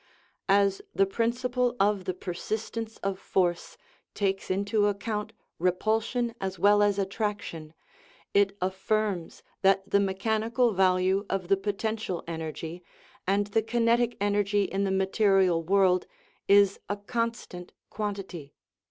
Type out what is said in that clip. "As the principle of the persistence of force takes into account repulsion as well as attraction, it affirms that the mechanical value of the potential energy and the kinetic energy in the material world is a constant quantity.